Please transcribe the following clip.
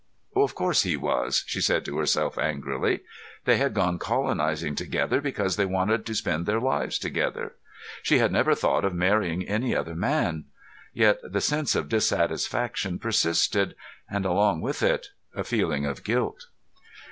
Of course he was, she told herself angrily. They had gone colonizing together because they wanted to spend their lives together; she had never thought of marrying any other man. Yet the sense of dissatisfaction persisted, and along with it a feeling of guilt.